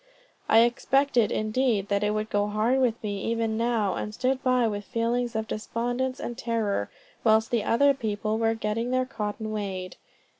I expected indeed that it would go hard with me even now, and stood by with feelings of despondence and terror, whilst the other people were getting their cotton weighed.